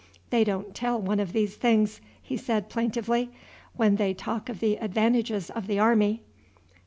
They don't tell one of these things," he said plaintively, "when they talk of the advantages of the army."